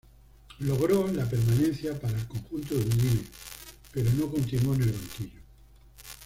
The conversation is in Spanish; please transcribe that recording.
Logró la permanencia para el conjunto de Udine, pero no continuó en el banquillo.